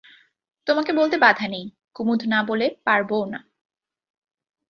তোমাকে বলতে বাধা নেই কুমুদ না বলে পারবও না।